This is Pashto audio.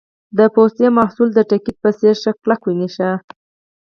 د پوستي محصول د ټیکټ په څېر شه کلک ونښله.